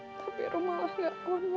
tapi rum malah gak online